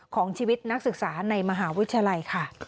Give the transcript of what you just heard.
ของชีวิตนักศึกษาในมหาวิทยาลัยค่ะ